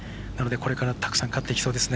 これから、たくさん勝っていきそうですね。